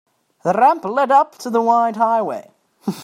The ramp led up to the wide highway.